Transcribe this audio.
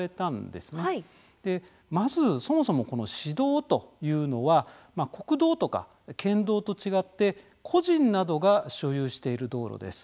でまずそもそもこの私道というのは国道とか県道と違って個人などが所有している道路です。